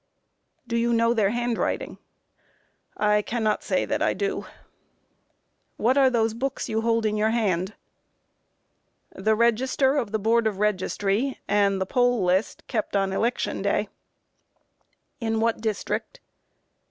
Do you know their hand writing? A. I cannot say that I do. Q. What are those books you hold in your hand? A. The register of the Board of Registry, and the poll list kept on election day. Q. In what district?